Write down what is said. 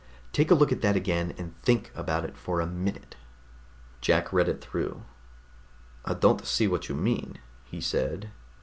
"Take a look at that again and think about it for a minute." Jack read it through. "I don't see what you mean," he said.